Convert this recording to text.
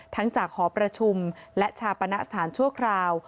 จากหอประชุมและชาปณะสถานชั่วคราว